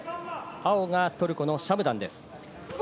青がトルコのシャムダンです。